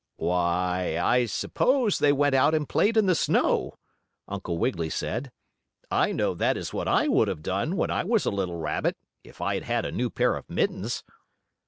"Why, I suppose they went out and played in the snow," Uncle Wiggily said. "I know that is what I would have done, when I was a little rabbit, if I had had a new pair of mittens."